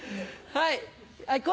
はい。